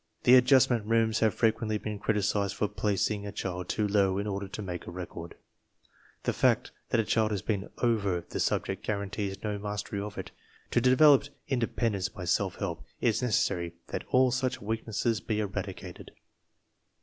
The Adjustment Rooms have frequently been criticized for "placing" a child too low in order to make a record. The fact that a child has been "over" the subject guarantees no mas tery of it. To develop independence by self help, it is necessary that all such weaknesses be eradicated.